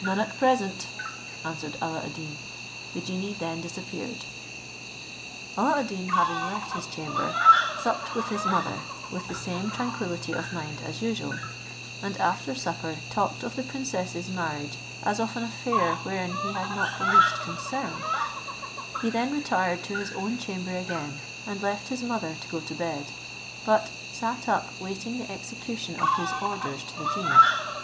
"None at present," answered Alla ad Deen; the genie then disappeared. Alla ad Deen having left his chamber, supped with his mother, with the same tranquillity of mind as usual; and after supper talked of the princess's marriage as of an affair wherein he had not the least concern'; he then retired to his own chamber again, and left his mother to go to bed; but sat up waiting the execution of his orders to the genie.